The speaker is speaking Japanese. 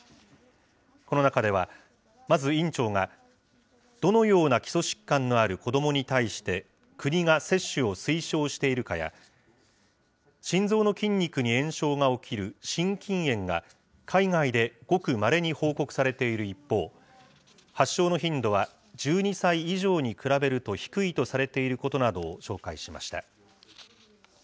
この中では、まず院長が、どのような基礎疾患のある子どもに対して、国が接種を推奨しているかや、心臓の筋肉に炎症が起きる心筋炎が、海外でごくまれに報告されている一方、発症の頻度は１２歳以上に比べると低いとされていることなどを紹介しました。